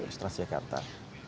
terus teras ya kak artan